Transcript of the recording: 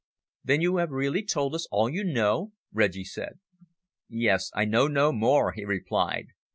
"Then you have really told us all you know?" Reggie said. "Yes, I know no more," he replied.